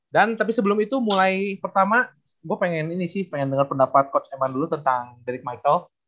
dan tapi sebelum itu mulai pertama gue pengen ini sih pengen denger pendapat coach eman dulu tentang derek michael